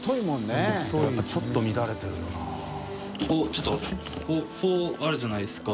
ちょっとまってこうあるじゃないですか。